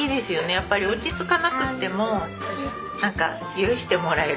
やっぱり落ち着かなくってもなんか許してもらえる。